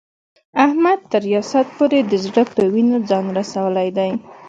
احمد تر ریاست پورې د زړه په وینو ځان رسولی دی.